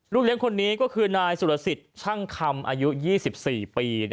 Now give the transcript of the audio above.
เลี้ยงคนนี้ก็คือนายสุรสิทธิ์ช่างคำอายุ๒๔ปี